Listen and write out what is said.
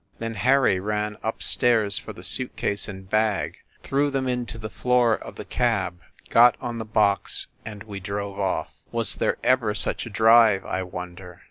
... Then Harry ran up stairs for the suit case and bag, threw them into the floor of the cab, got on the box, and we drove off. Was there ever such a drive, I wonder